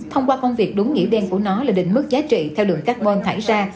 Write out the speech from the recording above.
thông qua công việc đúng nghĩa đen của nó là định mức giá trị theo đường carbon thải ra